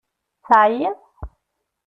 Teɛyiḍ?